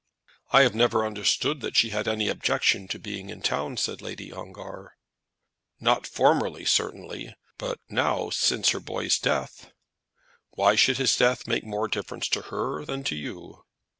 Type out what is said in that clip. "I have never understood that she had any objection to being in town," said Lady Ongar. "Not formerly, certainly; but now, since her boy's death " "Why should his death make more difference to her than to you?"